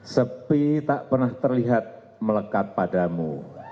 sepi tak pernah terlihat melekat padamu